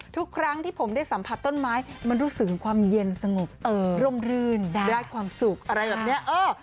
ทุกครั้งที่ผมได้สัมผัสต้นไม้มันรู้สึกความเย็นสงบร่มรื่นได้ความสุขอะไรแบบนี้เออ